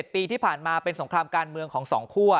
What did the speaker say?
ปีที่ผ่านมาเป็นสงครามการเมืองของ๒คั่ว